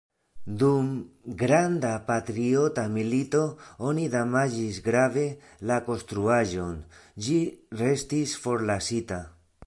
Dum Granda patriota milito oni damaĝis grave la konstruaĵon, ĝi restis forlasita.